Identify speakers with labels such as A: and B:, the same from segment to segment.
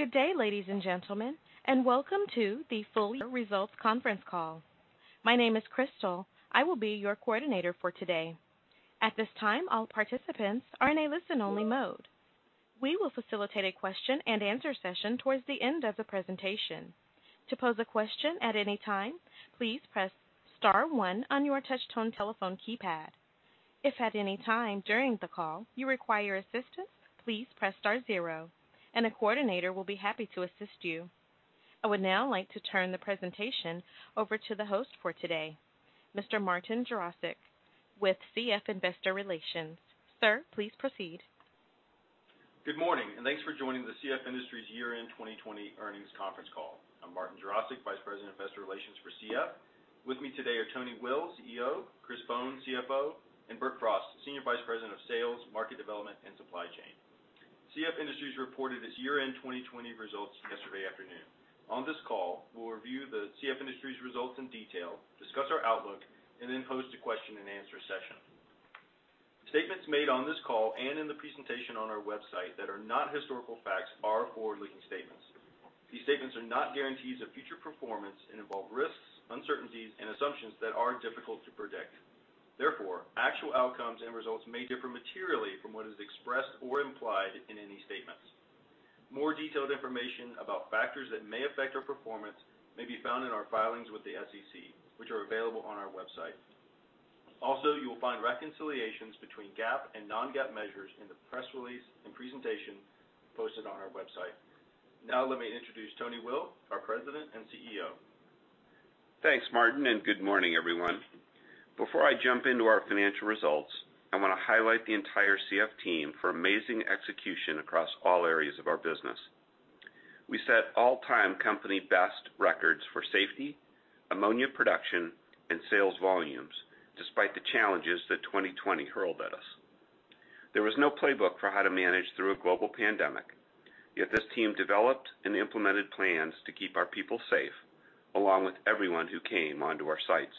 A: Good day, ladies and gentlemen, and welcome to the Full Year Results Conference Call. My name is Crystal. I will be your coordinator for today. At this time, all participants are in a listen-only mode. We will facilitate a question and answer session towards the end of the presentation. To pose a question at any time, please press star one on your touch-tone telephone keypad. If at any time during the call you require assistance, please press star zero and a coordinator will be happy to assist you. I would now like to turn the presentation over to the host for today, Mr. Martin Jarosick, with CF Investor Relations. Sir, please proceed.
B: Good morning, thanks for joining the CF Industries year-end 2020 earnings conference call. I'm Martin Jarosick, Vice President of Investor Relations for CF. With me today are Tony Will, CEO, Chris Bohn, CFO, and Bert Frost, Senior Vice President of Sales, Market Development, and Supply Chain. CF Industries reported its year-end 2020 results yesterday afternoon. On this call, we'll review the CF Industries results in detail, discuss our outlook, and then pose to question and answer session. Statements made on this call and in the presentation on our website that are not historical facts are forward-looking statements. These statements are not guarantees of future performance and involve risks, uncertainties, and assumptions that are difficult to predict. Actual outcomes and results may differ materially from what is expressed or implied in any statements. More detailed information about factors that may affect our performance may be found in our filings with the SEC, which are available on our website. Also, you will find reconciliations between GAAP and non-GAAP measures in the press release and presentation posted on our website. Now let me introduce Tony Will, our President and CEO.
C: Thanks, Martin, good morning, everyone. Before I jump into our financial results, I want to highlight the entire CF team for amazing execution across all areas of our business. We set all-time company best records for safety, ammonia production, and sales volumes, despite the challenges that 2020 hurled at us. There was no playbook for how to manage through a global pandemic, yet this team developed and implemented plans to keep our people safe, along with everyone who came onto our sites.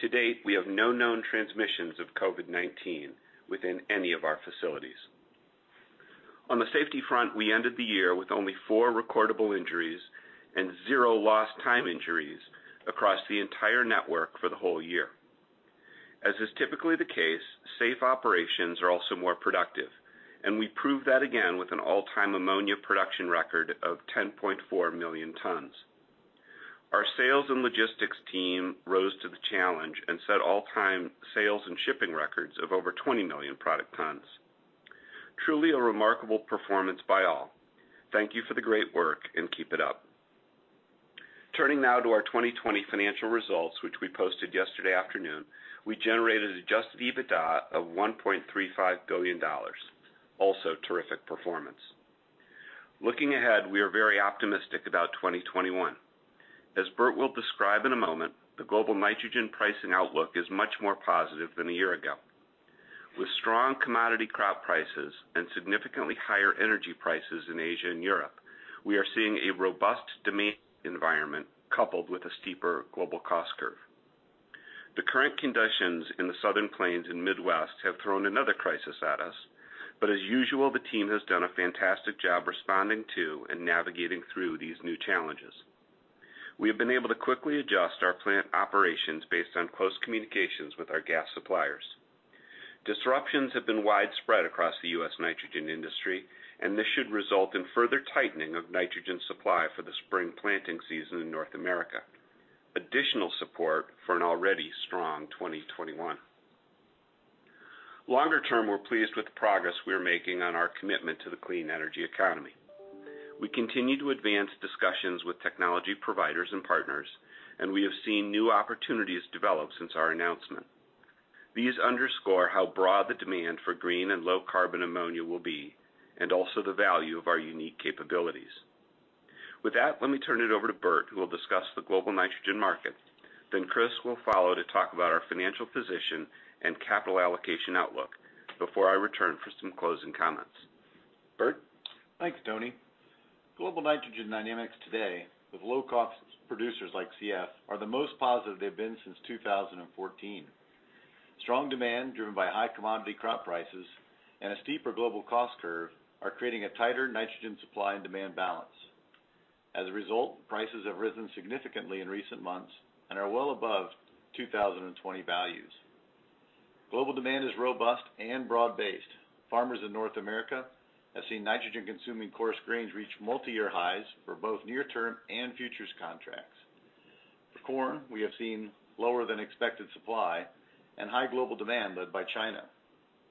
C: To date, we have no known transmissions of COVID-19 within any of our facilities. On the safety front, we ended the year with only four recordable injuries and zero lost time injuries across the entire network for the whole year. As is typically the case, safe operations are also more productive, and we proved that again with an all-time ammonia production record of 10.4 million tons. Our sales and logistics team rose to the challenge and set all-time sales and shipping records of over 20 million product tons. Truly a remarkable performance by all. Thank you for the great work, and keep it up. Turning now to our 2020 financial results, which we posted yesterday afternoon, we generated adjusted EBITDA of $1.35 billion. Also terrific performance. Looking ahead, we are very optimistic about 2021. As Bert will describe in a moment, the global nitrogen pricing outlook is much more positive than a year ago. With strong commodity crop prices and significantly higher energy prices in Asia and Europe, we are seeing a robust demand environment coupled with a steeper global cost curve. The current conditions in the Southern Plains and Midwest have thrown another crisis at us, but as usual, the team has done a fantastic job responding to and navigating through these new challenges. We have been able to quickly adjust our plant operations based on close communications with our gas suppliers. Disruptions have been widespread across the U.S. nitrogen industry. This should result in further tightening of nitrogen supply for the spring planting season in North America. Additional support for an already strong 2021. Longer term, we're pleased with the progress we are making on our commitment to the clean energy economy. We continue to advance discussions with technology providers and partners. We have seen new opportunities develop since our announcement. These underscore how broad the demand for green and low carbon ammonia will be. Also the value of our unique capabilities. With that, let me turn it over to Bert, who will discuss the global nitrogen market. Chris will follow to talk about our financial position and capital allocation outlook before I return for some closing comments. Bert?
D: Thanks, Tony. Global nitrogen dynamics today with low cost producers like CF, are the most positive they've been since 2014. Strong demand driven by high commodity crop prices and a steeper global cost curve are creating a tighter nitrogen supply and demand balance. Prices have risen significantly in recent months and are well above 2020 values. Global demand is robust and broad-based. Farmers in North America have seen nitrogen consuming coarse grains reach multiyear highs for both near term and futures contracts. For corn, we have seen lower than expected supply and high global demand led by China.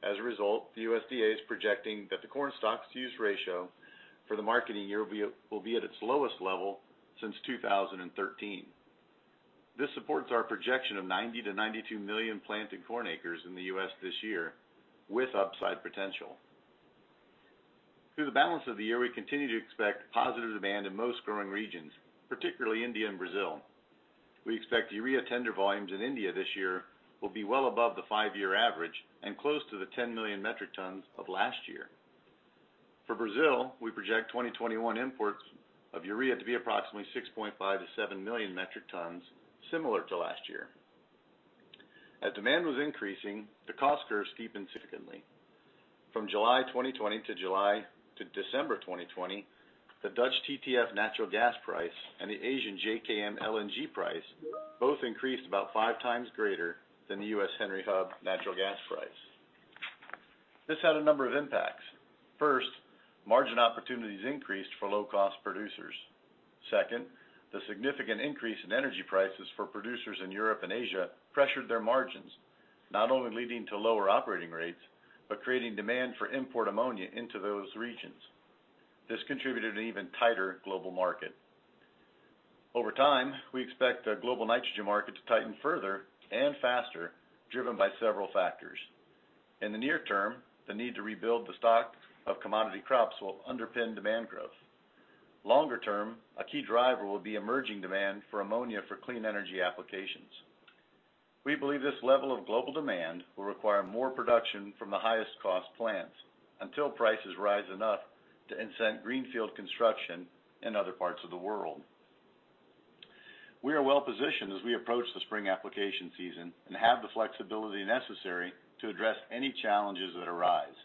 D: The USDA is projecting that the corn stocks to use ratio for the marketing year will be at its lowest level since 2013. This supports our projection of 90 million-92 million planted corn acres in the U.S. this year with upside potential. Through the balance of the year, we continue to expect positive demand in most growing regions, particularly India and Brazil. We expect urea tender volumes in India this year will be well above the five-year average and close to the 10 million metric tons of last year. For Brazil, we project 2021 imports of urea to be approximately 6.5 million metric tons-7 million metric tons, similar to last year. As demand was increasing, the cost curve steepened significantly. From July 2020 to December 2020, the Dutch TTF natural gas price and the Asian JKM LNG price both increased about five times greater than the U.S. Henry Hub natural gas price. This had a number of impacts. First, margin opportunities increased for low-cost producers. Second, the significant increase in energy prices for producers in Europe and Asia pressured their margins, not only leading to lower operating rates, but creating demand for import ammonia into those regions. This contributed to an even tighter global market. Over time, we expect the global nitrogen market to tighten further and faster, driven by several factors. In the near term, the need to rebuild the stock of commodity crops will underpin demand growth. Longer term, a key driver will be emerging demand for ammonia for clean energy applications. We believe this level of global demand will require more production from the highest cost plants until prices rise enough to incent greenfield construction in other parts of the world. We are well positioned as we approach the spring application season and have the flexibility necessary to address any challenges that arise.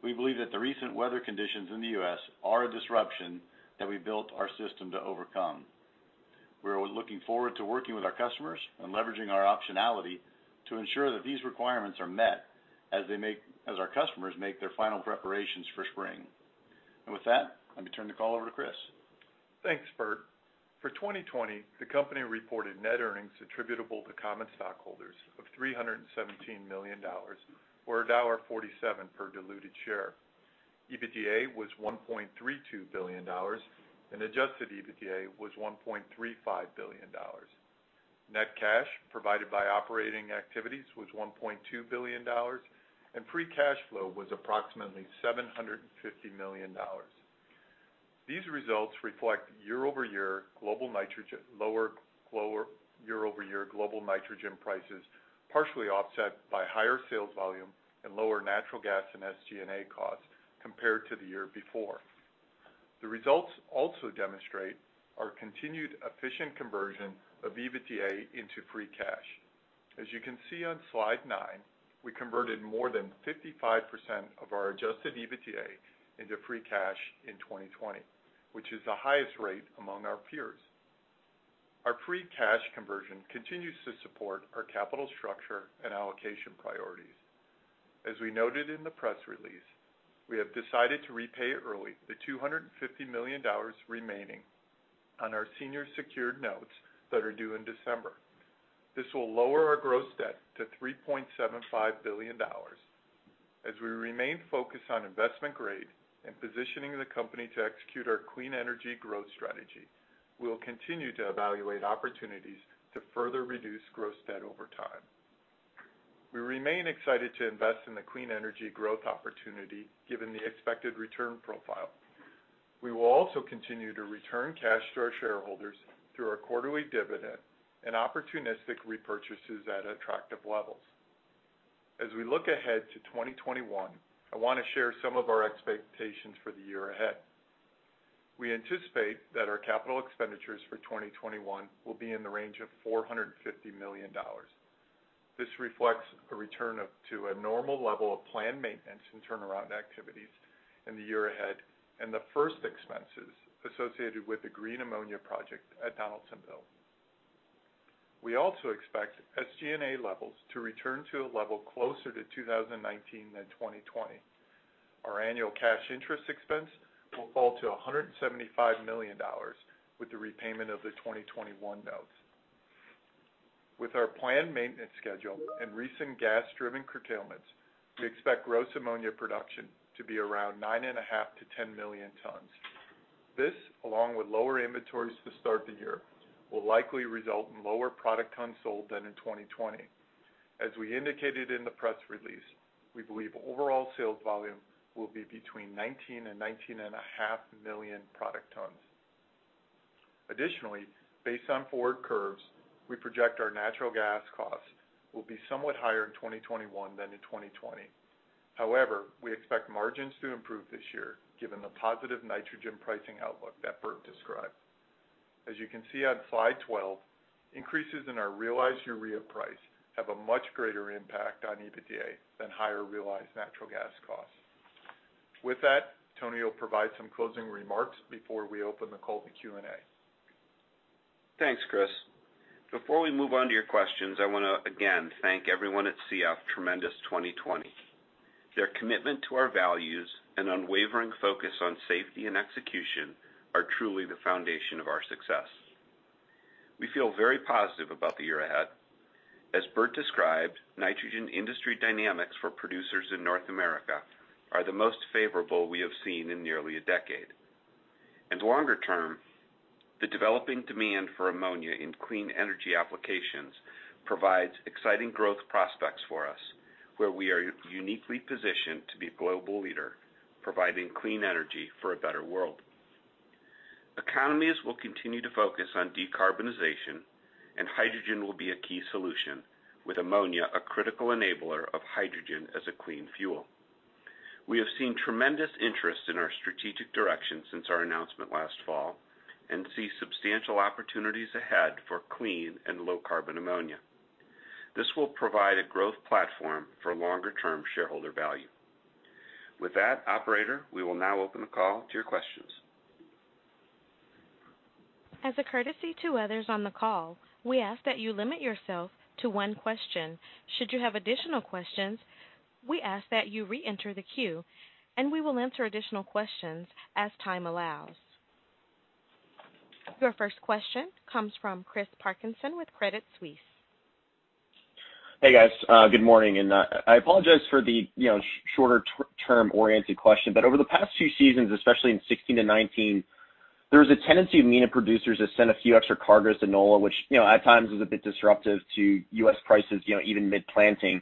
D: We believe that the recent weather conditions in the U.S. are a disruption that we built our system to overcome. We're looking forward to working with our customers and leveraging our optionality to ensure that these requirements are met as our customers make their final preparations for spring. With that, let me turn the call over to Chris.
E: Thanks, Bert. For 2020, the company reported net earnings attributable to common stockholders of $317 million, or $1.47 per diluted share. EBITDA was $1.32 billion and adjusted EBITDA was $1.35 billion. Net cash provided by operating activities was $1.2 billion and free cash flow was approximately $750 million. These results reflect year-over-year global nitrogen prices, partially offset by higher sales volume and lower natural gas and SG&A costs compared to the year before. The results also demonstrate our continued efficient conversion of EBITDA into free cash. As you can see on slide nine, we converted more than 55% of our adjusted EBITDA into free cash in 2020, which is the highest rate among our peers. Our free cash conversion continues to support our capital structure and allocation priorities. As we noted in the press release, we have decided to repay early the $250 million remaining on our senior secured notes that are due in December. This will lower our gross debt to $3.75 billion. As we remain focused on investment grade and positioning the company to execute our Clean Energy Growth Strategy, we will continue to evaluate opportunities to further reduce gross debt over time. We remain excited to invest in the clean energy growth opportunity, given the expected return profile. We will also continue to return cash to our shareholders through our quarterly dividend and opportunistic repurchases at attractive levels. As we look ahead to 2021, I want to share some of our expectations for the year ahead. We anticipate that our capital expenditures for 2021 will be in the range of $450 million. This reflects a return to a normal level of planned maintenance and turnaround activities in the year ahead, and the first expenses associated with the green ammonia project at Donaldsonville. We also expect SG&A levels to return to a level closer to 2019 than 2020. Our annual cash interest expense will fall to $175 million with the repayment of the 2021 notes. With our planned maintenance schedule and recent gas-driven curtailments, we expect gross ammonia production to be around 9.5 million tons to 10 million tons. This, along with lower inventories to start the year, will likely result in lower product tons sold than in 2020. As we indicated in the press release, we believe overall sales volume will be between 19 million tons and 19.5 million product tons. Additionally, based on forward curves, we project our natural gas costs will be somewhat higher in 2021 than in 2020. However, we expect margins to improve this year, given the positive nitrogen pricing outlook that Bert described. As you can see on slide 12, increases in our realized urea price have a much greater impact on EBITDA than higher realized natural gas costs. With that, Tony will provide some closing remarks before we open the call to Q&A.
C: Thanks, Chris. Before we move on to your questions, I want to again thank everyone at CF. Tremendous 2020. Their commitment to our values and unwavering focus on safety and execution are truly the foundation of our success. We feel very positive about the year ahead. As Bert described, nitrogen industry dynamics for producers in North America are the most favorable we have seen in nearly a decade. Longer term, the developing demand for ammonia in clean energy applications provides exciting growth prospects for us, where we are uniquely positioned to be a global leader, providing clean energy for a better world. Economies will continue to focus on decarbonization, hydrogen will be a key solution, with ammonia a critical enabler of hydrogen as a clean fuel. We have seen tremendous interest in our strategic direction since our announcement last fall and see substantial opportunities ahead for clean and low-carbon ammonia. This will provide a growth platform for longer-term shareholder value. With that, operator, we will now open the call to your questions.
A: As a courtesy to others on the call, we ask that you limit yourself to one question. Should you have additional questions, we ask that you reenter the queue, and we will answer additional questions as time allows. Your first question comes from Chris Parkinson with Credit Suisse.
F: Hey, guys. Good morning. I apologize for the shorter-term oriented question. Over the past few seasons, especially in 2016-2019, there was a tendency of MENA producers to send a few extra cargoes to NOLA, which at times was a bit disruptive to U.S. prices, even mid-planting.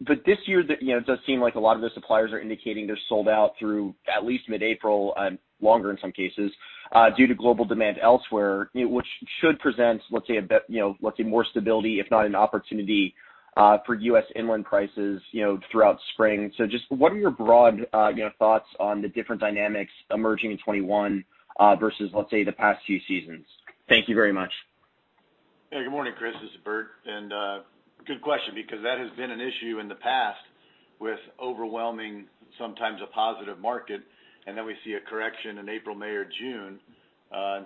F: This year, it does seem like a lot of the suppliers are indicating they're sold out through at least mid-April, longer in some cases, due to global demand elsewhere, which should present, let's say, more stability, if not an opportunity for U.S. inland prices throughout spring. Just what are your broad thoughts on the different dynamics emerging in 2021 versus, let's say, the past few seasons? Thank you very much.
D: Yeah. Good morning, Chris. This is Bert. Good question, because that has been an issue in the past with overwhelming, sometimes, a positive market, and then we see a correction in April, May, or June.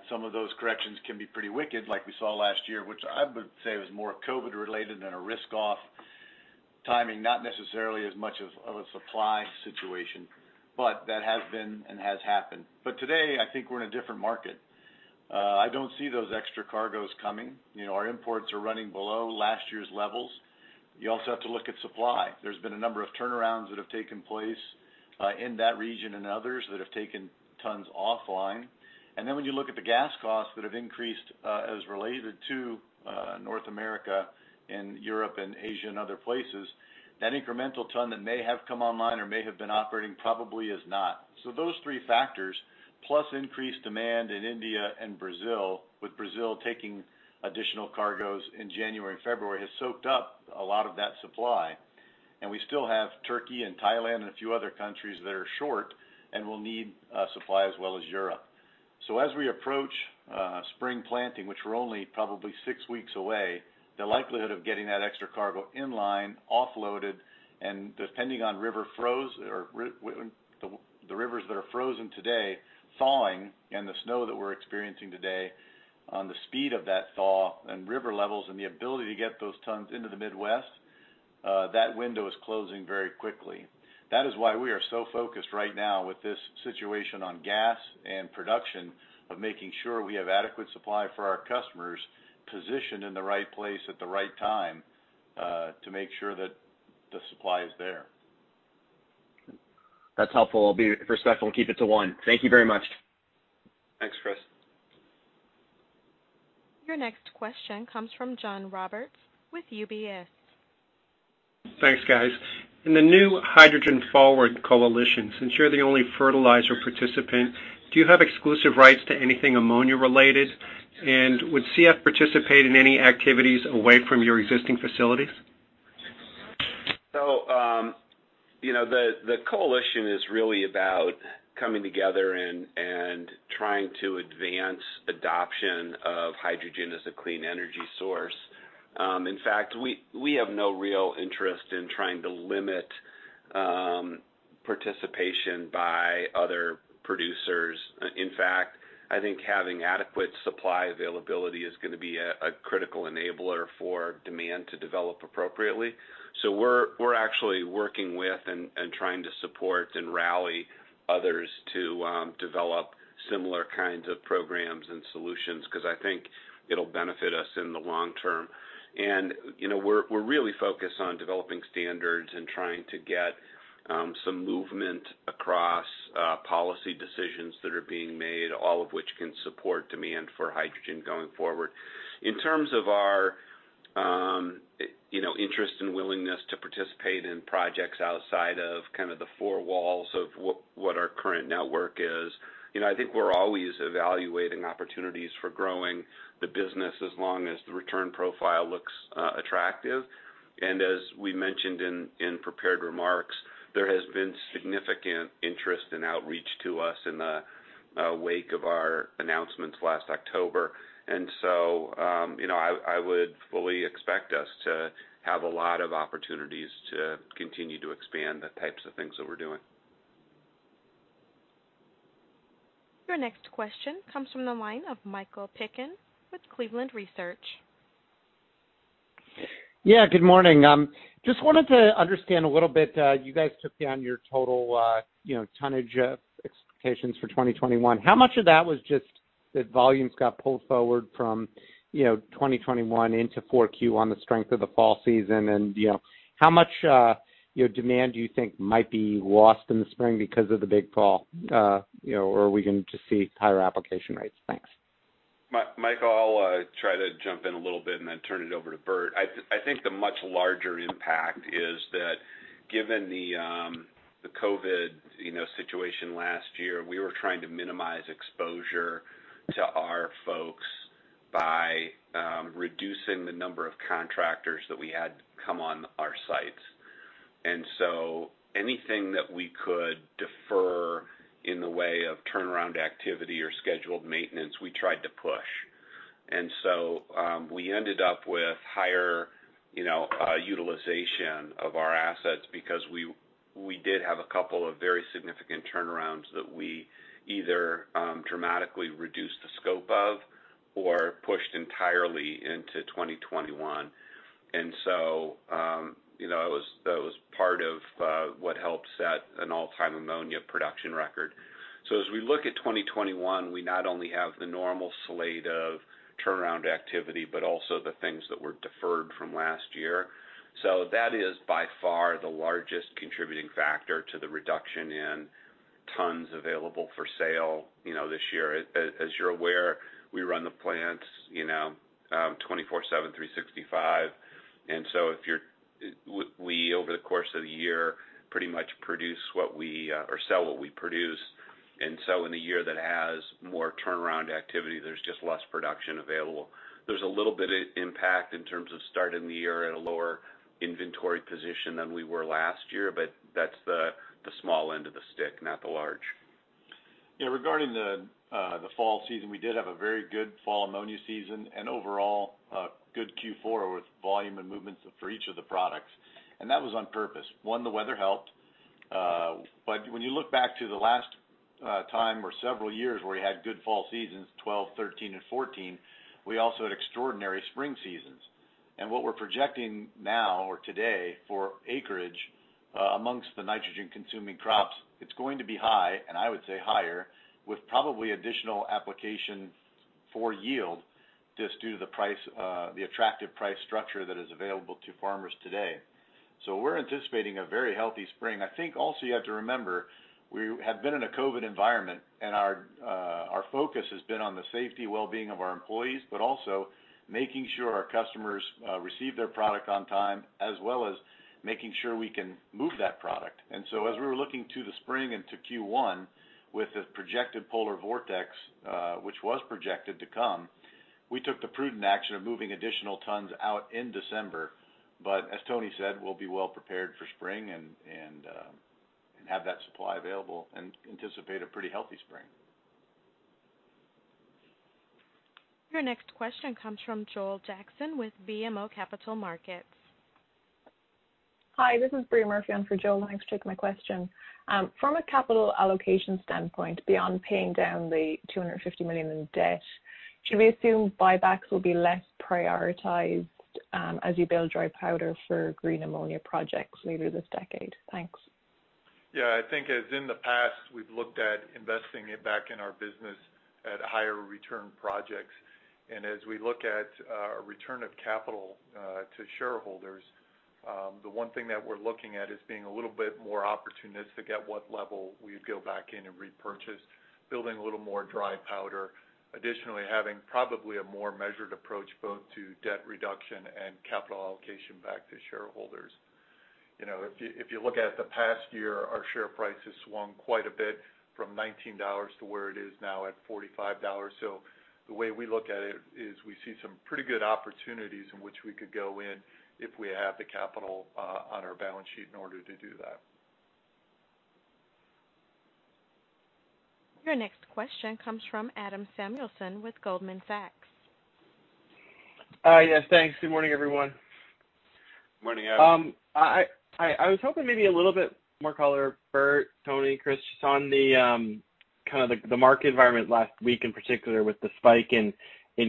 D: Some of those corrections can be pretty wicked, like we saw last year, which I would say was more COVID related than a risk-off timing, not necessarily as much of a supply situation. That has been and has happened. Today, I think we're in a different market. I don't see those extra cargoes coming. Our imports are running below last year's levels. You also have to look at supply. There's been a number of turnarounds that have taken place in that region and others that have taken tons offline. When you look at the gas costs that have increased as related to North America and Europe and Asia and other places, that incremental ton that may have come online or may have been operating probably is not. Those three factors, plus increased demand in India and Brazil, with Brazil taking additional cargoes in January and February, has soaked up a lot of that supply. We still have Turkey and Thailand and a few other countries that are short and will need supply as well as Europe. As we approach spring planting, which we're only probably six weeks away, the likelihood of getting that extra cargo in line, offloaded, and depending on the rivers that are frozen today thawing, and the snow that we're experiencing today, the speed of that thaw and river levels and the ability to get those tons into the Midwest, that window is closing very quickly. That is why we are so focused right now with this situation on gas and production of making sure we have adequate supply for our customers positioned in the right place at the right time to make sure that the supply is there.
F: That's helpful. I'll be respectful and keep it to one. Thank you very much.
D: Thanks, Chris.
A: Your next question comes from John Roberts with UBS.
G: Thanks, guys. In the new Hydrogen Forward coalition, since you're the only fertilizer participant, do you have exclusive rights to anything ammonia related? Would CF participate in any activities away from your existing facilities?
C: The coalition is really about coming together and trying to advance adoption of hydrogen as a clean energy source. In fact, we have no real interest in trying to limit participation by other producers. In fact, I think having adequate supply availability is going to be a critical enabler for demand to develop appropriately. We're actually working with and trying to support and rally others to develop similar kinds of programs and solutions, because I think it'll benefit us in the long term. We're really focused on developing standards and trying to get some movement across policy decisions that are being made, all of which can support demand for hydrogen going forward. In terms of our interest and willingness to participate in projects outside of the four walls of what our current network is, I think we're always evaluating opportunities for growing the business as long as the return profile looks attractive. As we mentioned in prepared remarks, there has been significant interest and outreach to us in the wake of our announcements last October. I would fully expect us to have a lot of opportunities to continue to expand the types of things that we're doing.
A: Your next question comes from the line of Michael Piken with Cleveland Research.
H: Yeah, good morning. Just wanted to understand a little bit. You guys took down your total tonnage expectations for 2021. How much of that was just that volumes got pulled forward from 2021 into Q4 on the strength of the fall season? How much demand do you think might be lost in the spring because of the big fall? Are we going to just see higher application rates? Thanks.
C: Mike, I'll try to jump in a little bit and then turn it over to Bert. I think the much larger impact is that given the COVID-19 situation last year, we were trying to minimize exposure to our folks. By reducing the number of contractors that we had come on our sites. Anything that we could defer in the way of turnaround activity or scheduled maintenance, we tried to push. We ended up with higher utilization of our assets because we did have a couple of very significant turnarounds that we either dramatically reduced the scope of or pushed entirely into 2021. That was part of what helped set an all-time ammonia production record. As we look at 2021, we not only have the normal slate of turnaround activity, but also the things that were deferred from last year. That is by far the largest contributing factor to the reduction in tons available for sale this year. As you're aware, we run the plants 24/7/365. We, over the course of the year, pretty much sell what we produce. In a year that has more turnaround activity, there's just less production available. There's a little bit of impact in terms of starting the year at a lower inventory position than we were last year, but that's the small end of the stick, not the large.
D: Yeah. Regarding the fall season, we did have a very good fall ammonia season, and overall, a good Q4 with volume and movements for each of the products. That was on purpose. One, the weather helped. When you look back to the last time or several years where we had good fall seasons, 2012, 2013, and 2014, we also had extraordinary spring seasons. What we're projecting now or today for acreage amongst the nitrogen-consuming crops, it's going to be high, and I would say higher, with probably additional application for yield just due to the attractive price structure that is available to farmers today. We're anticipating a very healthy spring. I think also you have to remember, we have been in a COVID environment, and our focus has been on the safety and wellbeing of our employees, but also making sure our customers receive their product on time as well as making sure we can move that product. As we were looking to the spring and to Q1 with the projected polar vortex, which was projected to come, we took the prudent action of moving additional tons out in December. As Tony said, we'll be well prepared for spring and have that supply available and anticipate a pretty healthy spring.
A: Your next question comes from Joel Jackson with BMO Capital Markets.
I: Hi, this is Bria Murphy in for Joel. Thanks for taking my question. From a capital allocation standpoint, beyond paying down the $250 million in debt, should we assume buybacks will be less prioritized as you build dry powder for green ammonia projects later this decade? Thanks.
E: Yeah, I think as in the past, we've looked at investing it back in our business at higher return projects. As we look at a return of capital to shareholders, the one thing that we're looking at is being a little bit more opportunistic at what level we'd go back in and repurchase, building a little more dry powder. Additionally, having probably a more measured approach both to debt reduction and capital allocation back to shareholders. If you look at the past year, our share price has swung quite a bit from $19 to where it is now at $45. The way we look at it is we see some pretty good opportunities in which we could go in if we have the capital on our balance sheet in order to do that.
A: Your next question comes from Adam Samuelson with Goldman Sachs.
J: Yes, thanks. Good morning, everyone.
C: Morning, Adam.
J: I was hoping maybe a little bit more color, Bert, Tony, Chris, just on the market environment last week in particular with the spike in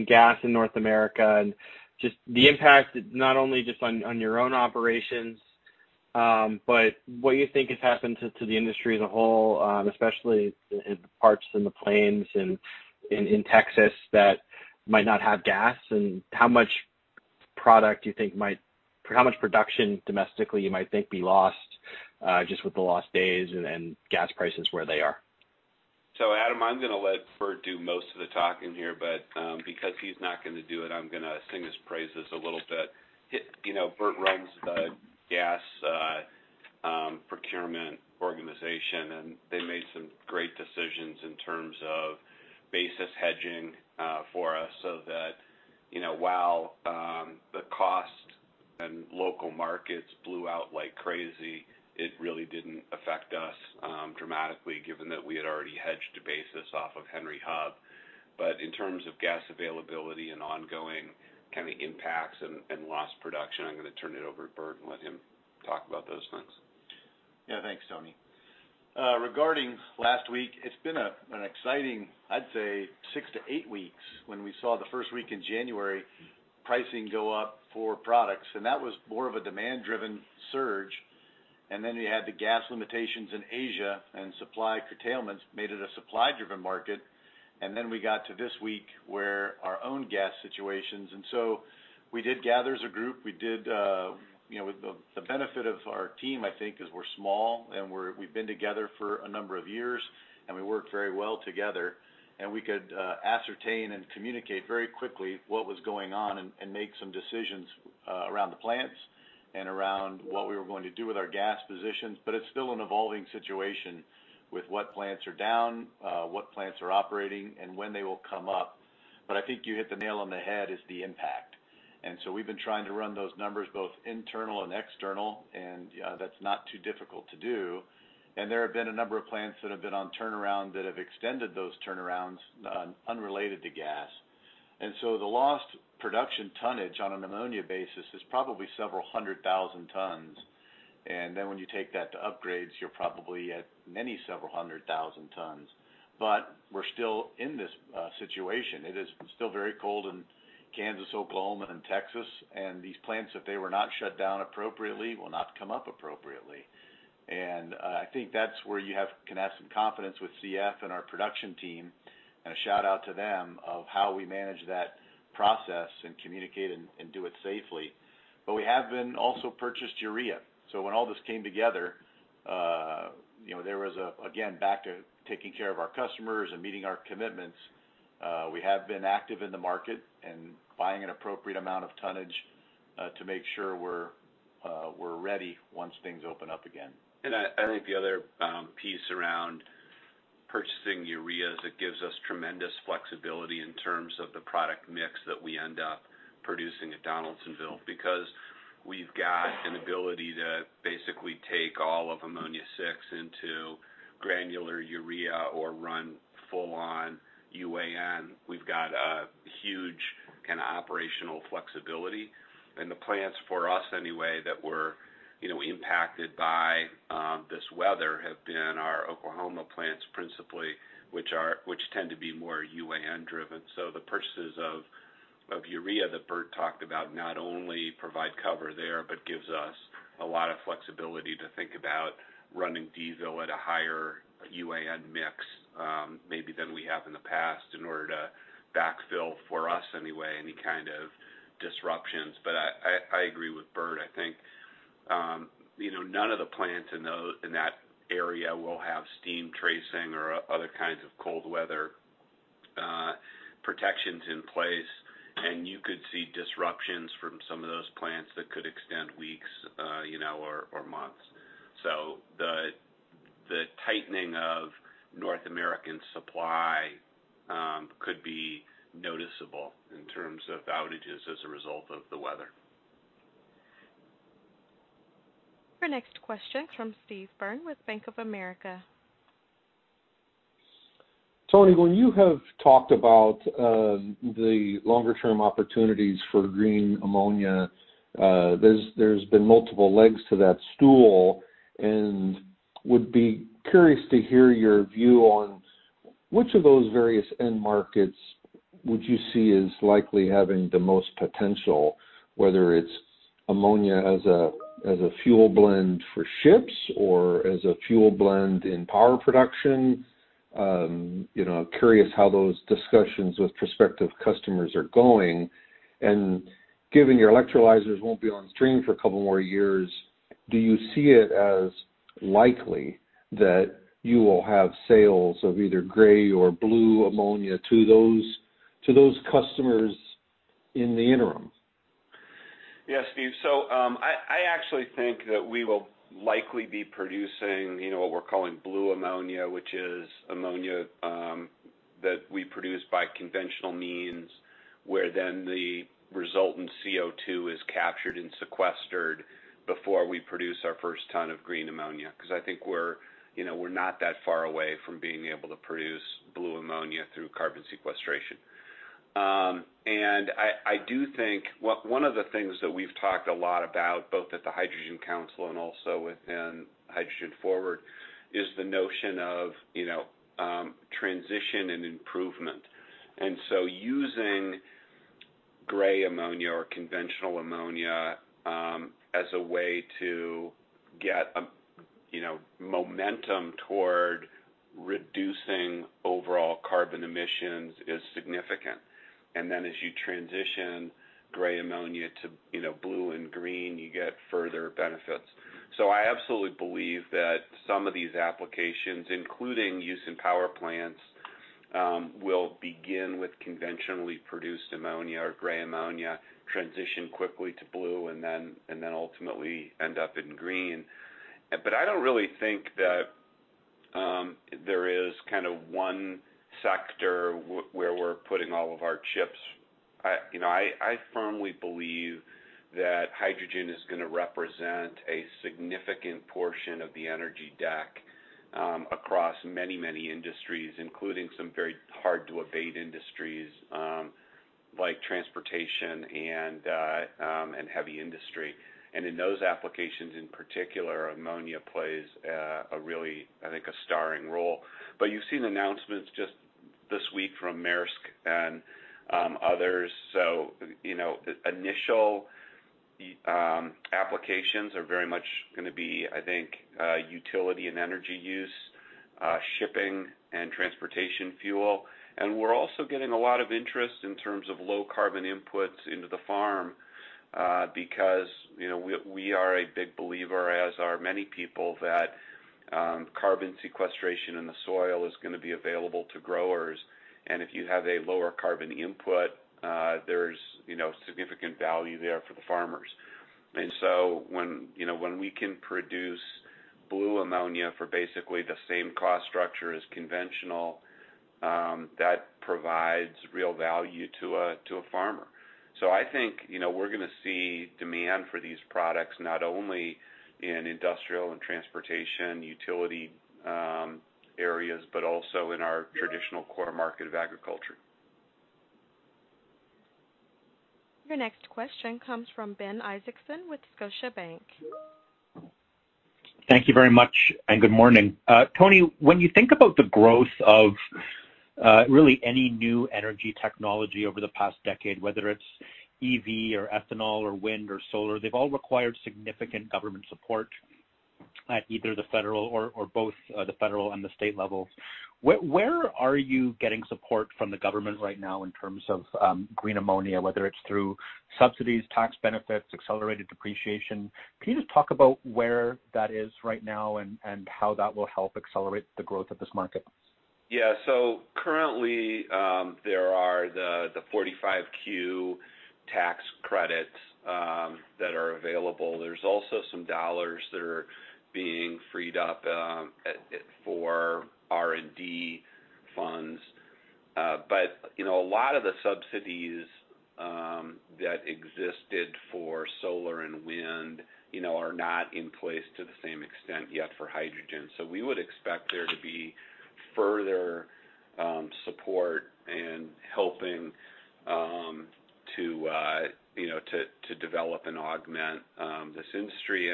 J: gas in North America and just the impact not only just on your own operations, but what you think has happened to the industry as a whole, especially in parts in the plains and in Texas that might not have gas, and how much production domestically you might think be lost just with the lost days and gas prices where they are?
C: Adam, I'm going to let Bert do most of the talking here, but because he's not going to do it, I'm going to sing his praises a little bit. Bert runs the gas procurement organization. They made some great decisions in terms of basis hedging for us so that while the cost and local markets blew out like crazy, it really didn't affect us dramatically given that we had already hedged a basis off of Henry Hub. In terms of gas availability and ongoing impacts and loss production, I'm going to turn it over to Bert and let him talk about those things.
D: Thanks, Tony. Regarding last week, it's been an exciting, I'd say, six to eight weeks when we saw the first week in January pricing go up for products. That was more of a demand-driven surge. You had the gas limitations in Asia and supply curtailments made it a supply-driven market. We got to this week where our own gas situations. We did gather as a group. The benefit of our team, I think, is we're small, and we've been together for a number of years, and we work very well together. We could ascertain and communicate very quickly what was going on and make some decisions around the plants and around what we were going to do with our gas positions. It's still an evolving situation with what plants are down, what plants are operating, and when they will come up. I think you hit the nail on the head is the impact. We've been trying to run those numbers, both internal and external, and that's not too difficult to do. There have been a number of plants that have been on turnaround that have extended those turnarounds unrelated to gas. The lost production tonnage on an ammonia basis is probably several hundred thousand tons. When you take that to upgrades, you're probably at many several hundred thousand tons. We're still in this situation. It is still very cold in Kansas, Oklahoma, and Texas. These plants, if they were not shut down appropriately, will not come up appropriately. I think that's where you can have some confidence with CF and our production team, and a shout-out to them, of how we manage that process and communicate and do it safely. We have been also purchased urea. When all this came together, there was, again, back to taking care of our customers and meeting our commitments. We have been active in the market and buying an appropriate amount of tonnage, to make sure we're ready once things open up again.
C: I think the other piece around purchasing ureas, it gives us tremendous flexibility in terms of the product mix that we end up producing at Donaldsonville, because we've got an ability to basically take all of Ammonia 6 into granular urea or run full on UAN. We've got a huge operational flexibility. The plants for us anyway, that were impacted by this weather have been our Oklahoma plants principally, which tend to be more UAN driven. The purchases of urea that Bert talked about not only provide cover there, but gives us a lot of flexibility to think about running Donaldsonville at a higher UAN mix, maybe than we have in the past in order to backfill for us anyway, any kind of disruptions. I agree with Bert. I think none of the plants in that area will have steam tracing or other kinds of cold weather protections in place, and you could see disruptions from some of those plants that could extend weeks or months. The tightening of North American supply could be noticeable in terms of outages as a result of the weather.
A: Our next question comes Steve Byrne with Bank of America.
K: Tony, when you have talked about the longer-term opportunities for green ammonia, there's been multiple legs to that stool, and would be curious to hear your view on which of those various end markets would you see as likely having the most potential, whether it's ammonia as a fuel blend for ships or as a fuel blend in power production. Curious how those discussions with prospective customers are going. Given your electrolyzers won't be on stream for a couple more years, do you see it as likely that you will have sales of either gray or blue ammonia to those customers in the interim?
C: Yeah, Steve. I actually think that we will likely be producing what we're calling blue ammonia, which is ammonia that we produce by conventional means, where then the resultant CO2 is captured and sequestered before we produce our first ton of green ammonia. I think we're not that far away from being able to produce blue ammonia through carbon sequestration. One of the things that we've talked a lot about, both at the Hydrogen Council and also within Hydrogen Forward, is the notion of transition and improvement. Using gray ammonia or conventional ammonia, as a way to get momentum toward reducing overall carbon emissions is significant. As you transition gray ammonia to blue and green, you get further benefits. I absolutely believe that some of these applications, including use in power plants, will begin with conventionally produced ammonia or gray ammonia, transition quickly to blue, and then ultimately end up in green. I don't really think that there is one sector where we're putting all of our chips. I firmly believe that hydrogen is going to represent a significant portion of the energy deck, across many industries, including some very hard to abate industries, like transportation and heavy industry. In those applications in particular, ammonia plays a really, I think, a starring role. You've seen announcements just this week from Maersk and others. Initial applications are very much going to be, I think, utility and energy use, shipping and transportation fuel. We're also getting a lot of interest in terms of low carbon inputs into the farm. We are a big believer, as are many people, that carbon sequestration in the soil is going to be available to growers. If you have a lower carbon input, there's significant value there for the farmers. When we can produce blue ammonia for basically the same cost structure as conventional, that provides real value to a farmer. I think we're going to see demand for these products not only in industrial and transportation, utility areas, but also in our traditional core market of agriculture.
A: Your next question comes from Ben Isaacson with Scotiabank.
L: Thank you very much, and good morning. Tony, when you think about the growth of really any new energy technology over the past decade, whether it's EV or ethanol or wind or solar, they've all required significant government support at either the federal or both the federal and the state levels. Where are you getting support from the government right now in terms of green ammonia, whether it's through subsidies, tax benefits, accelerated depreciation? Can you just talk about where that is right now and how that will help accelerate the growth of this market?
C: Currently, there are the 45Q tax credits that are available. There's also some dollars that are being freed up for R&D funds. A lot of the subsidies that existed for solar and wind are not in place to the same extent yet for hydrogen. We would expect there to be further support in helping to develop and augment this industry.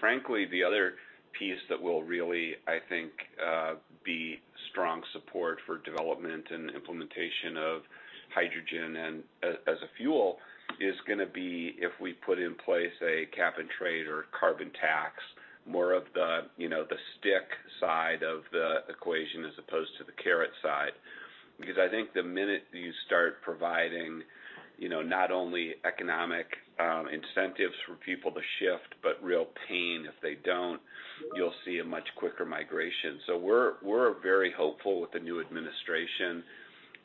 C: Frankly, the other piece that will really, I think, be strong support for development and implementation of hydrogen as a fuel is going to be if we put in place a cap and trade or carbon tax, more of the stick side of the equation as opposed to the carrot side. I think the minute you start providing not only economic incentives for people to shift, but real pain if they don't, you'll see a much quicker migration. We're very hopeful with the new administration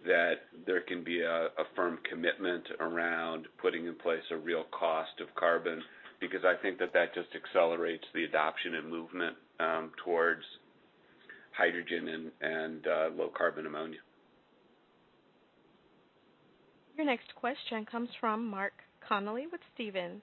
C: that there can be a firm commitment around putting in place a real cost of carbon, because I think that that just accelerates the adoption and movement towards hydrogen and low-carbon ammonia.
A: Your next question comes from Mark Connelly with Stephens.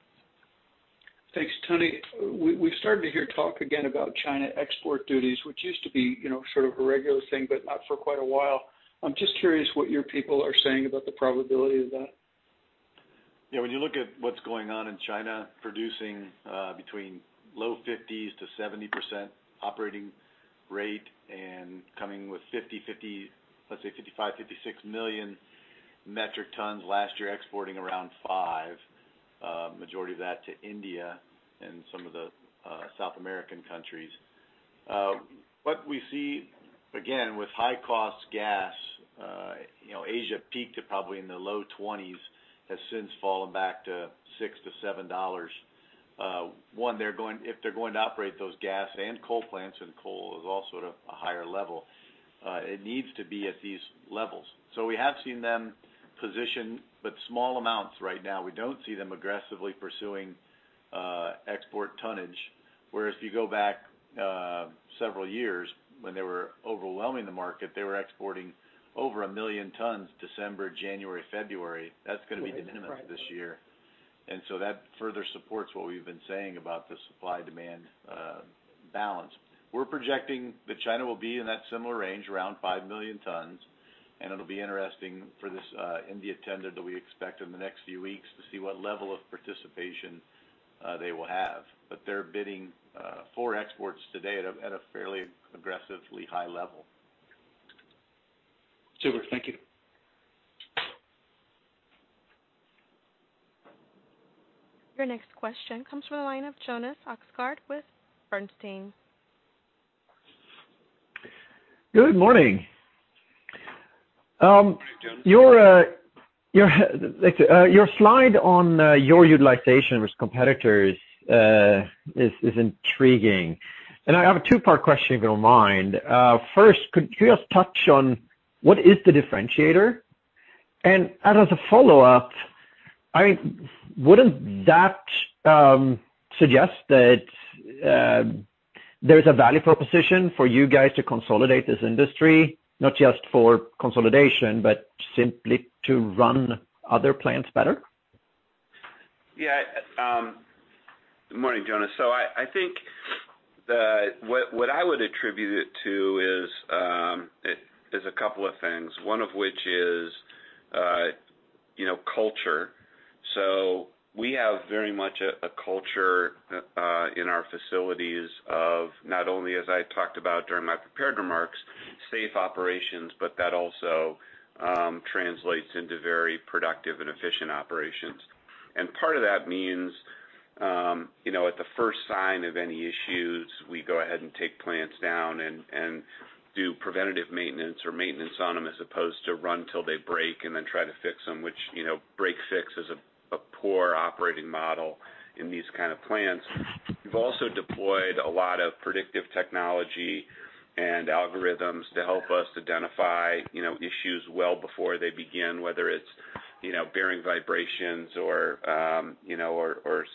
M: Thanks. Tony, we've started to hear talk again about China export duties, which used to be sort of a regular thing, but not for quite a while. I'm just curious what your people are saying about the probability of that.
D: Yeah, when you look at what's going on in China, producing between low 50%s to 70% operating rate and coming with 50/50, let's say, 55 million metric tons, 56 million metric tons last year exporting around 5 million metric tons, majority of that to India and some of the South American countries. What we see, again, with high-cost gas, Asia peaked at probably in the low $20s, has since fallen back to $6-$7. One, if they're going to operate those gas and coal plants, and coal is also at a higher level, it needs to be at these levels. We have seen them position, but small amounts right now. We don't see them aggressively pursuing export tonnage. Whereas if you go back several years when they were overwhelming the market, they were exporting over a million tons December, January, February. That's going to be the minimum this year. That further supports what we've been saying about the supply-demand balance. We're projecting that China will be in that similar range, around 5 million tons, and it'll be interesting for this India tender that we expect in the next few weeks to see what level of participation they will have. They're bidding for exports today at a fairly aggressively high level.
M: Super. Thank you.
A: Your next question comes from the line of Jonas Oxgaard with Bernstein.
N: Good morning.
C: Good morning, Jonas.
N: Your slide on your utilization versus competitors is intriguing. I have a two-part question, if you don't mind. First, could you just touch on what is the differentiator? As a follow-up, wouldn't that suggest that there's a value proposition for you guys to consolidate this industry, not just for consolidation, but simply to run other plants better?
C: Yeah. Good morning, Jonas. I think what I would attribute it to is a couple of things. One of which is culture. We have very much a culture in our facilities of not only, as I talked about during my prepared remarks, safe operations, but that also translates into very productive and efficient operations. Part of that means at the first sign of any issues, we go ahead and take plants down and do preventative maintenance or maintenance on them as opposed to run till they break and then try to fix them, which break/fix is a poor operating model in these kind of plants. We've also deployed a lot of predictive technology and algorithms to help us identify issues well before they begin, whether it's bearing vibrations or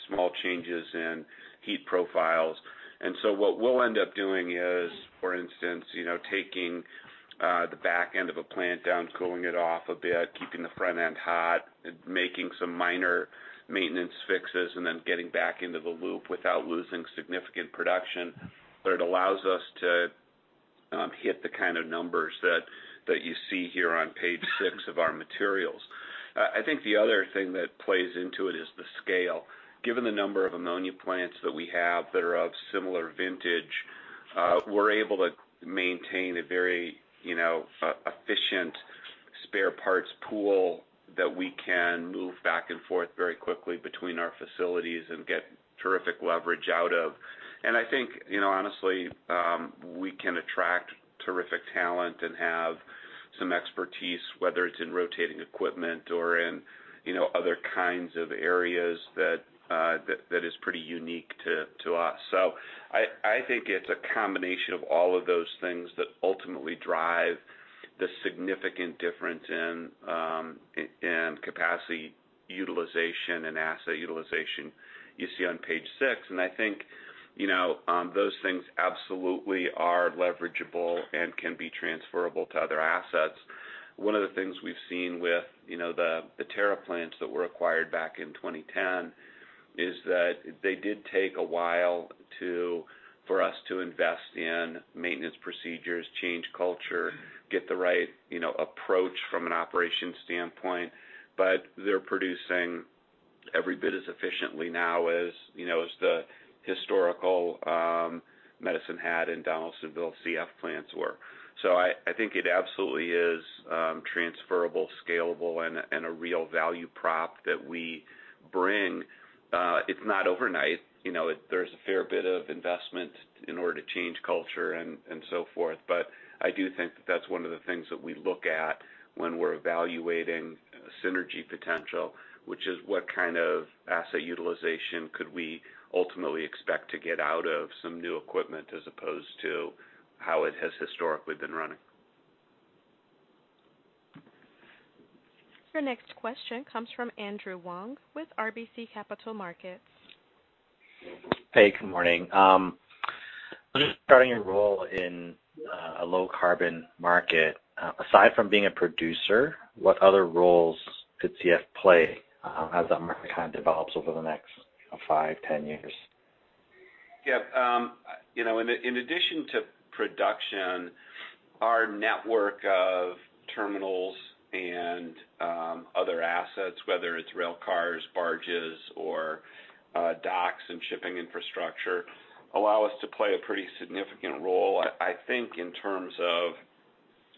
C: small changes in heat profiles. What we'll end up doing is, for instance, taking the back end of a plant down, cooling it off a bit, keeping the front end hot, making some minor maintenance fixes, then getting back into the loop without losing significant production. It allows us to hit the kind of numbers that you see here on page six of our materials. I think the other thing that plays into it is the scale. Given the number of ammonia plants that we have that are of similar vintage, we're able to maintain a very efficient spare parts pool that we can move back and forth very quickly between our facilities and get terrific leverage out of. I think, honestly, we can attract terrific talent and have some expertise, whether it's in rotating equipment or in other kinds of areas that is pretty unique to us. I think it's a combination of all of those things that ultimately drive the significant difference in capacity utilization and asset utilization you see on page six. I think those things absolutely are leverageable and can be transferable to other assets. One of the things we've seen with the Terra plants that were acquired back in 2010 is that they did take a while for us to invest in maintenance procedures, change culture, get the right approach from an operations standpoint, but they're producing every bit as efficiently now as the historical Medicine Hat and Donaldsonville CF plants were. I think it absolutely is transferable, scalable, and a real value prop that we bring. It's not overnight. There's a fair bit of investment in order to change culture and so forth. I do think that that's one of the things that we look at when we're evaluating synergy potential, which is what kind of asset utilization could we ultimately expect to get out of some new equipment as opposed to how it has historically been running.
A: Your next question comes from Andrew Wong with RBC Capital Markets.
O: Hey, good morning. Just starting a role in a low-carbon market. Aside from being a producer, what other roles could CF play as that market kind of develops over the next five, 10 years?
C: Yep. In addition to production, our network of terminals and other assets, whether it's rail cars, barges, or docks and shipping infrastructure, allow us to play a pretty significant role, I think, in terms of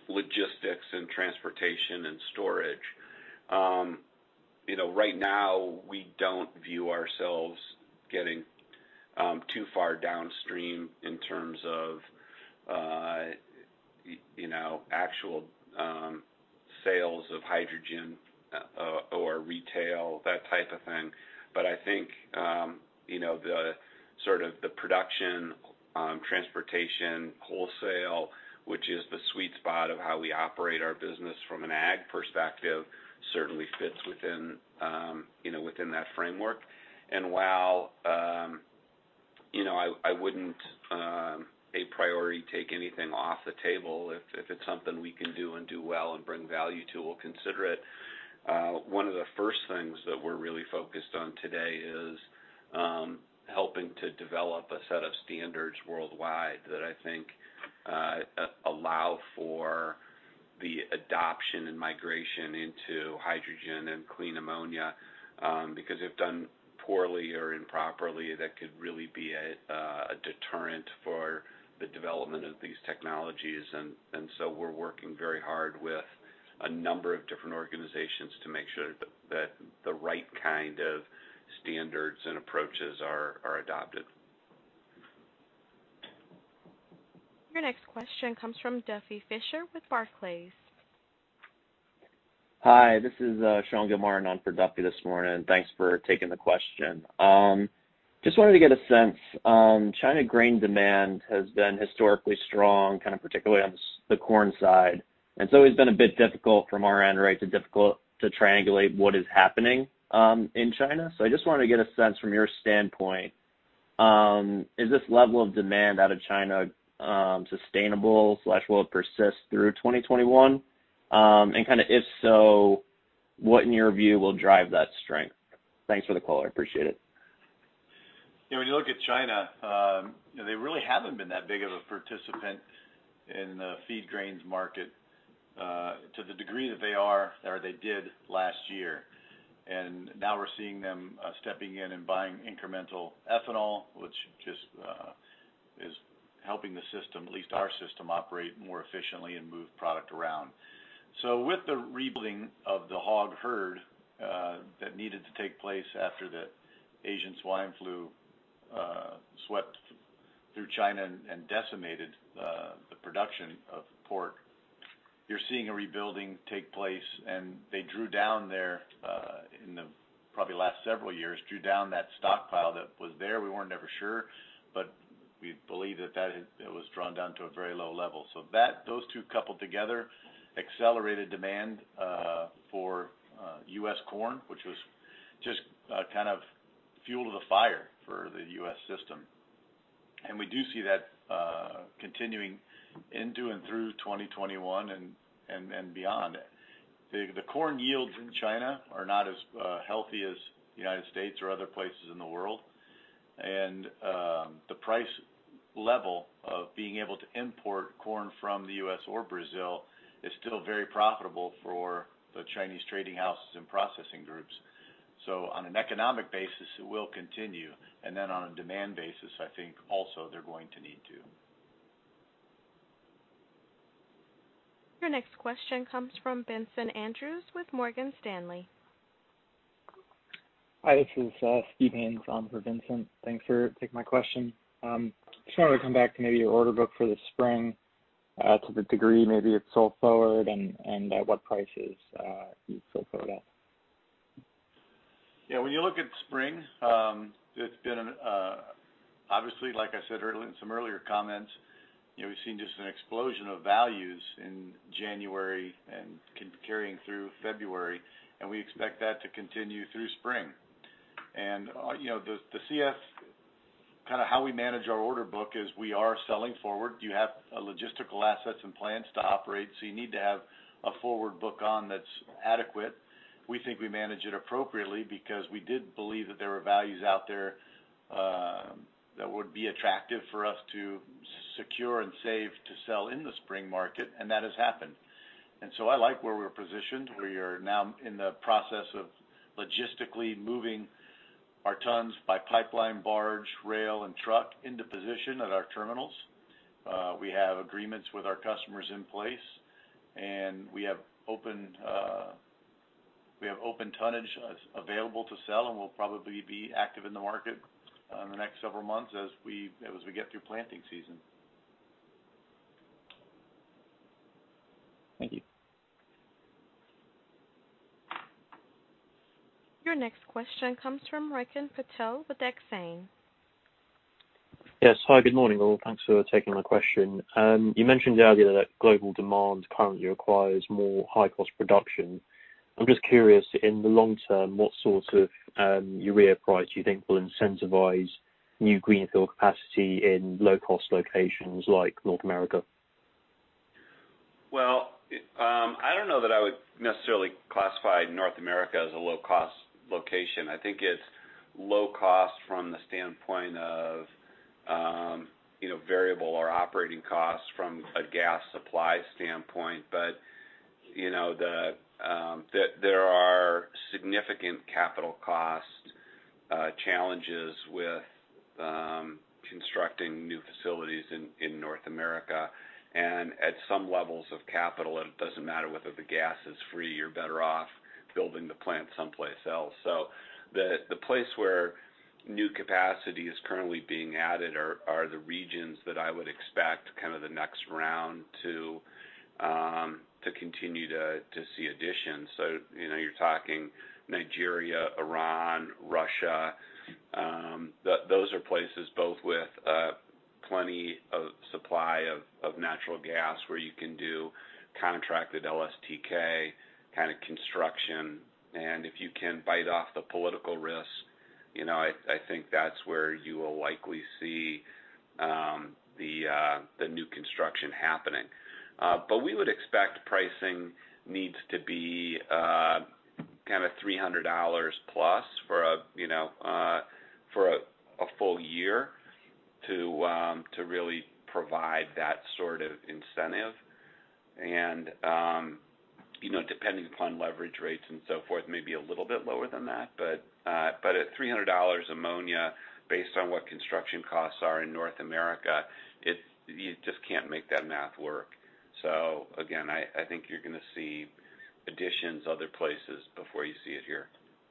C: logistics and transportation and storage. Right now we don't view ourselves getting too far downstream in terms of actual sales of hydrogen or retail, that type of thing. I think the sort of the production, transportation, wholesale, which is the sweet spot of how we operate our business from an ag perspective, certainly fits within that framework. While I wouldn't a priority take anything off the table, if it's something we can do and do well and bring value to, we'll consider it. One of the first things that we're really focused on today is helping to develop a set of standards worldwide that I think allow for the adoption and migration into hydrogen and clean ammonia. If done poorly or improperly, that could really be a deterrent for the development of these technologies. We're working very hard with a number of different organizations to make sure that the right kind of standards and approaches are adopted.
A: Your next question comes from Duffy Fischer with Barclays.
P: Hi, this is Sean Gilmartin on for Duffy this morning. Thanks for taking the question. Wanted to get a sense. China grain demand has been historically strong, kind of particularly on the corn side, it's always been a bit difficult from our end, right? To difficult to triangulate what is happening in China. I just wanted to get a sense from your standpoint, is this level of demand out of China sustainable/will it persist through 2021? Kind of if so, what in your view will drive that strength? Thanks for the call. I appreciate it.
D: When you look at China, they really haven't been that big of a participant in the feed grains market to the degree that they are or they did last year. Now we're seeing them stepping in and buying incremental ethanol, which Helping the system, at least our system, operate more efficiently and move product around. With the rebuilding of the hog herd that needed to take place after the African swine fever swept through China and decimated the production of pork, you're seeing a rebuilding take place. They, in the probably last several years, drew down that stockpile that was there. We weren't ever sure, but we believe that it was drawn down to a very low level. Those two coupled together accelerated demand for U.S. corn, which was just kind of fuel to the fire for the U.S. system. We do see that continuing into and through 2021 and beyond. The corn yields in China are not as healthy as the United States or other places in the world. The price level of being able to import corn from the U.S. or Brazil is still very profitable for the Chinese trading houses and processing groups. On an economic basis, it will continue. On a demand basis, I think also they're going to need to.
A: Your next question comes from Vincent Andrews with Morgan Stanley.
Q: Hi, this is Steven Haynes for Vincent. Thanks for taking my question. Just wanted to come back to maybe your order book for the spring, to the degree maybe it's sold forward, and at what prices you've sold forward at.
D: When you look at spring, obviously, like I said in some earlier comments, we've seen just an explosion of values in January and carrying through February, and we expect that to continue through spring. The CF, kind of how we manage our order book is we are selling forward. You have logistical assets and plants to operate, so you need to have a forward book on that's adequate. We think we manage it appropriately because we did believe that there were values out there that would be attractive for us to secure and save to sell in the spring market, and that has happened. So I like where we're positioned. We are now in the process of logistically moving our tons by pipeline, barge, rail, and truck into position at our terminals. We have agreements with our customers in place, and we have open tonnage available to sell, and we'll probably be active in the market in the next several months as we get through planting season.
Q: Thank you.
A: Your next question comes from Rikin Patel with Exane.
R: Yes. Hi, good morning, all. Thanks for taking my question. You mentioned earlier that global demand currently requires more high-cost production. I'm just curious, in the long term, what sort of urea price do you think will incentivize new greenfield capacity in low-cost locations like North America?
C: Well, I don't know that I would necessarily classify North America as a low-cost location. I think it's low cost from the standpoint of variable or operating costs from a gas supply standpoint. There are significant capital cost challenges with constructing new facilities in North America. At some levels of capital, it doesn't matter whether the gas is free. You're better off building the plant someplace else. The place where new capacity is currently being added are the regions that I would expect the next round to continue to see additions. You're talking Nigeria, Iran, Russia. Those are places both with plenty of supply of natural gas where you can do contracted LSTK kind of construction. If you can bite off the political risk, I think that's where you will likely see the new construction happening. We would expect pricing needs to be $300+ for a full year to really provide that sort of incentive. Depending upon leverage rates and so forth, maybe a little bit lower than that. At $300 ammonia, based on what construction costs are in North America, you just can't make that math work. Again, I think you're going to see additions other places before you see it here.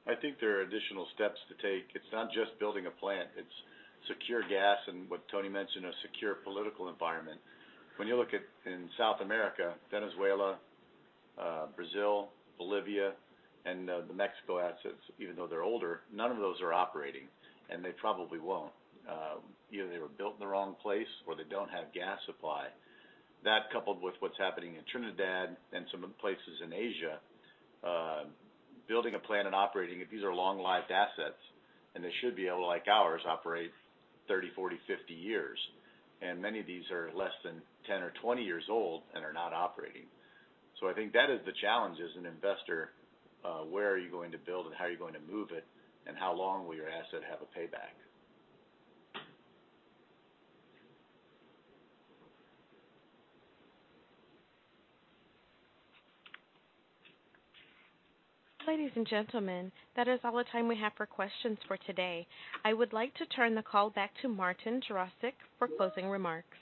D: I think there are additional steps to take. It's not just building a plant. It's secure gas and what Tony mentioned, a secure political environment. When you look in South America, Venezuela, Brazil, Bolivia, and the Mexico assets, even though they're older, none of those are operating, and they probably won't. Either they were built in the wrong place or they don't have gas supply. That coupled with what's happening in Trinidad and some places in Asia, building a plant and operating it, these are long-lived assets, and they should be able, like ours, operate 30, 40, 50 years. Many of these are less than 10 or 20 years old and are not operating. I think that is the challenge as an investor. Where are you going to build and how are you going to move it? How long will your asset have a payback?
A: Ladies and gentlemen, that is all the time we have for questions for today. I would like to turn the call back to Martin Jarosick for closing remarks.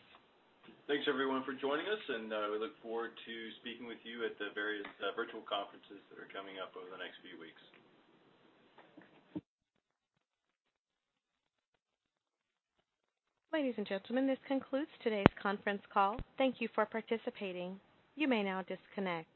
B: Thanks, everyone, for joining us. We look forward to speaking with you at the various virtual conferences that are coming up over the next few weeks.
A: Ladies and gentlemen, this concludes today's conference call. Thank you for participating. You may now disconnect.